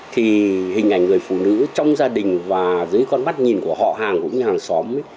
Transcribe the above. thì hình ảnh người phụ nữ trong gia đình và dưới con mắt nhìn của họ hàng cũng như hàng xóm ấy